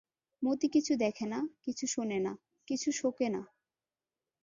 মতি কিছু দেখে না, কিছু শোনে না, কিছু শোকে না।